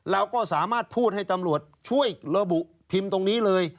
เราก็สามารถพูดให้ตำรวจช่วยระบุพิมพ์ตรงนี้เลย